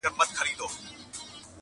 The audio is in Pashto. o چي خوب کوي، د هغو د مېږو نرگټي زېږي!